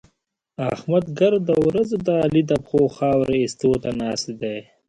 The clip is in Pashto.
احمد ګرده ورځ د علي د پښو خاورې اېستو ته ناست دی.